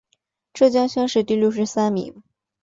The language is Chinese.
浙江乡试第六十三名。